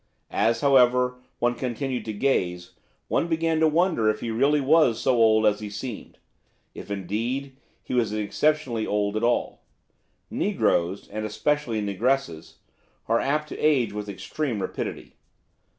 As, however, one continued to gaze, one began to wonder if he really was so old as he seemed, if, indeed, he was exceptionally old at all. Negroes, and especially negresses, are apt to age with extreme rapidity.